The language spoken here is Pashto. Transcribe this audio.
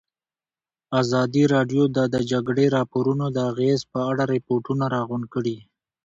ازادي راډیو د د جګړې راپورونه د اغېزو په اړه ریپوټونه راغونډ کړي.